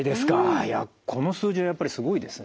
いやこの数字はやっぱりすごいですね。